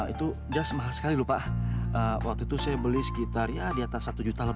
itu jas mahal sekali lupa waktu itu saya beli sekitar ya di atas satu juta lah